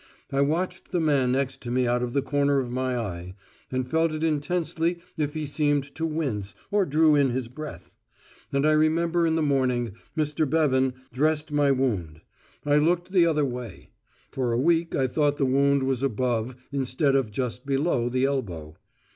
I watched the man next to me out of the corner of my eye, and felt it intensely if he seemed to wince, or drew in his breath. And I remember in the morning Mr. Bevan dressed my wound. I looked the other way. For a week I thought the wound was above instead of just below the elbow.